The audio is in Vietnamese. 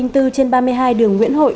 trên ba mươi hai đường nguyễn hội